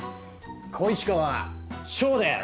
小石川翔です！